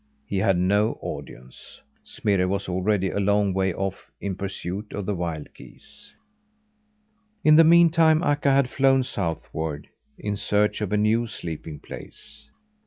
He had no audience. Smirre was already a long way off in pursuit of the wild geese. In the meantime Akka had flown southward in search of a new sleeping place.